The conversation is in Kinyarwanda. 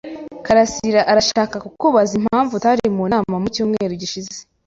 karasira arashaka kukubaza impamvu utari mu nama mu cyumweru gishize.